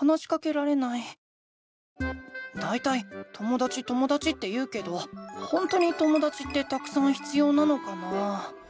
だいたいともだちともだちって言うけどほんとにともだちってたくさん必要なのかな？